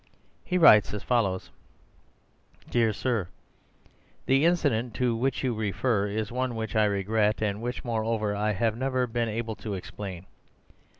He writes as follows:— "Dear Sir,—The incident to which you refer is one which I regret, and which, moreover, I have never been able to explain.